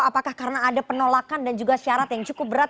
apakah karena ada penolakan dan juga syarat yang cukup berat